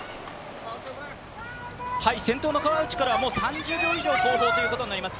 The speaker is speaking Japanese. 先頭の川内から３０秒以上後方ということになります。